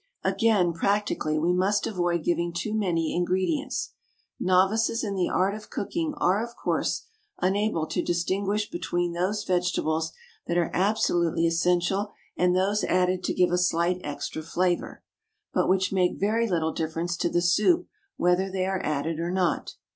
Again, practically, we must avoid giving too many ingredients. Novices in the art of cooking are, of course, unable to distinguish between those vegetables that are absolutely essential and those added to give a slight extra flavour, but which make very little difference to the soup whether they are added or not.